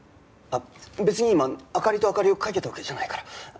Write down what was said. あっ別に今「灯」と「明かり」をかけたわけじゃないから。